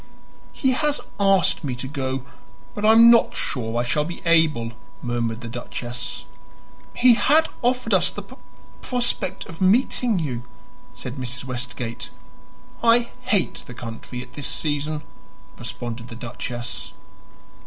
"He has asked me to go, but I am not sure I shall be able," murmured the duchess. "He had offered us the p prospect of meeting you," said Mrs. Westgate. "I hate the country at this season," responded the duchess.